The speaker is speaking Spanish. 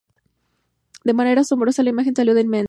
De manera asombrosa la imagen salió indemne.